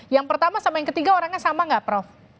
yang pertama sama yang ketiga orangnya sama nggak prof